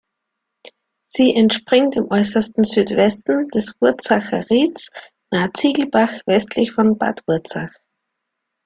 Sie entspringt im äußersten Südwesten des Wurzacher Rieds nah Ziegelbach, westlich von Bad Wurzach.